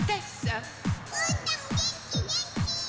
うーたんげんきげんき！